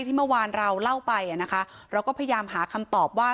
ที่เมื่อวานเราเล่าไปนะคะเราก็พยายามหาคำตอบว่า